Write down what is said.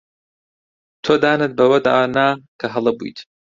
تۆ دانت بەوەدا نا کە هەڵە بوویت.